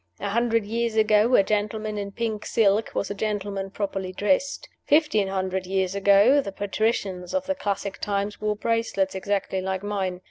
A hundred years ago a gentleman in pink silk was a gentleman properly dressed. Fifteen hundred years ago the patricians of the classic times wore bracelets exactly like mine.